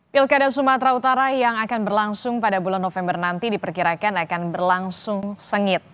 pilkada sumatera utara yang akan berlangsung pada bulan november nanti diperkirakan akan berlangsung sengit